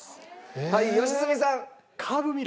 はい良純さん。